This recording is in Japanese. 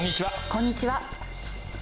こんにちは。